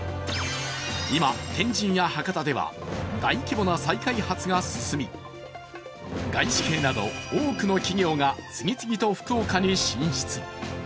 今、天神や博多では大規模な再開発が進み外資系など多くの企業が次々と福岡に進出。